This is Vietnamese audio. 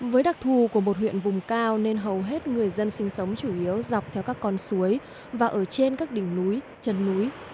với đặc thù của một huyện vùng cao nên hầu hết người dân sinh sống chủ yếu dọc theo các con suối và ở trên các đỉnh núi chân núi